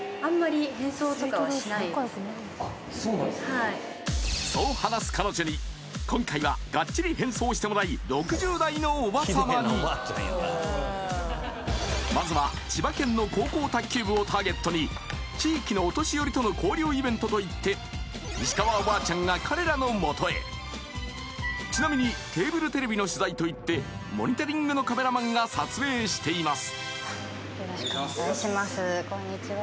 はいそう話す彼女に今回はガッチリ変装してもらいまずは千葉県の高校卓球部をターゲットに地域のお年寄りとの交流イベントといって石川おばあちゃんが彼らのもとへちなみにケーブルテレビの取材といってモニタリングのカメラマンが撮影しています